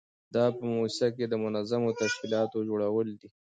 دا په موسسه کې د منظمو تشکیلاتو جوړول دي.